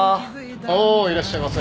おおいらっしゃいませ。